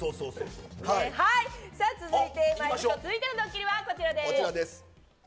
続いてのドッキリはこちらです。